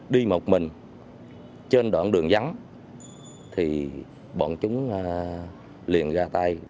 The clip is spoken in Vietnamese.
đi một mình trên đoạn đường vắng thì bọn chúng liền ra tay